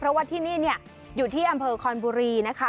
เพราะว่าที่นี่อยู่ที่อำเภอคอนบุรีนะคะ